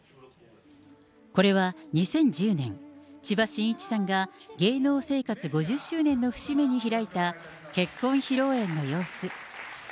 これは２０１０年、千葉真一さんが芸能生活５０周年を節目に開いた結婚披露宴の様子。